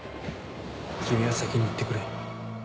君は先に行ってくれ。